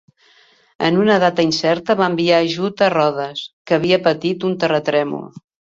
En una data incerta va enviar ajut a Rodes, que havia patit un terratrèmol.